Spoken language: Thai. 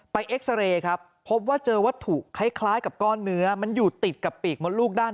เอ็กซาเรย์ครับพบว่าเจอวัตถุคล้ายกับก้อนเนื้อมันอยู่ติดกับปีกมดลูกด้าน